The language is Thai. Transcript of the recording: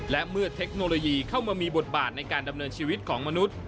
และเมื่อเทคโนโลยีเข้ามามีบทบาทในการดำเนินชีวิตของมนุษย์